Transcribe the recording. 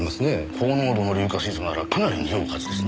高濃度の硫化水素ならかなり臭うはずですな。